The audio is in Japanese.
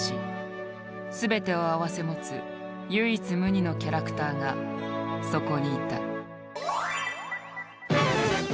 全てを併せ持つ唯一無二のキャラクターがそこにいた。